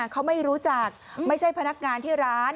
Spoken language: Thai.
เขาไม่รู้จักไม่ใช่พนักงานที่ร้าน